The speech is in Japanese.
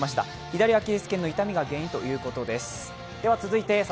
左アキレスけんの痛みが原因ということです。